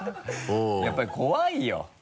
やっぱり怖いよ。